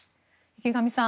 池上さん